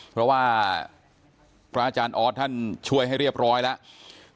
เพราะว่าพระอาจารย์ออสท่านช่วยให้เรียบร้อยแล้ว